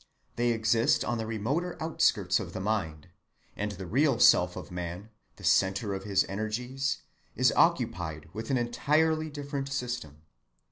They exist on the remoter outskirts of the mind, and the real self of the man, the centre of his energies, is occupied with an entirely different system.